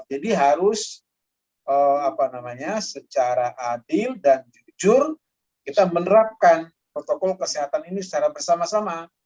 jadi harus apa namanya secara adil dan jujur kita menerapkan protokol kesehatan ini secara bersama sama